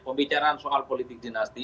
pembicaraan soal politik dinasti